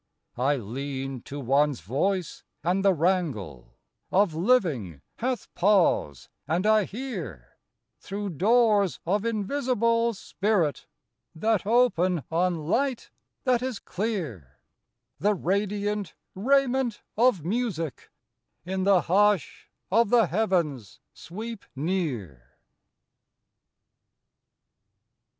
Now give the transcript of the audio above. I lean to one's voice, and the wrangle Of living hath pause: and I hear Through doors of invisible spirit, That open on light that is clear, The radiant raiment of Music In the hush of the heavens sweep near.